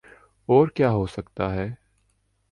اورکیا ہوسکتاہے؟